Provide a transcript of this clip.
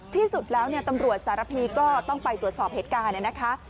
ที่สุดแล้วตำรวจสารพีก็ต้องไปตรวจสอบเหตุการณ์นะคะ